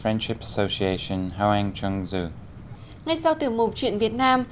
ngay sau tiểu mục chuyện việt nam